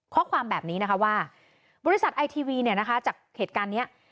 ข้อความแบบนี้นะคะว่าบริษัทไอทีวีเนี่ยนะคะจากเหตุการณ์นี้